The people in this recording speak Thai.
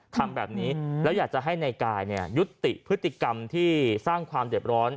ทำแบบนี้แล้วอยากจะให้ในกายยุติพฤติกรรมที่สร้างความเด็บร้อน